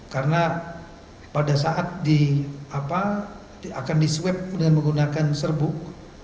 karena pada saat akan di swab dengan menggunakan serbuk